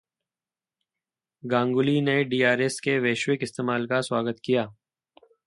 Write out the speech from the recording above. गांगुली ने डीआरएस के वैश्विक इस्तेमाल का स्वागत किया